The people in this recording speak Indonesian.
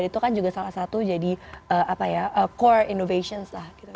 itu kan juga salah satu jadi core innovation lah gitu